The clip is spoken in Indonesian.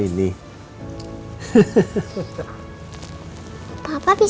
iya sayang yaudah sekarang bobo ya